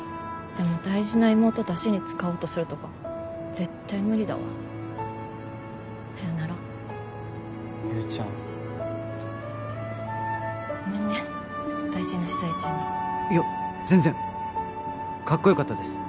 でも大事な妹だしに使おうとするとか絶対無理だわさよならゆーちゃんごめんね大事な取材中にいや全然かっこよかったです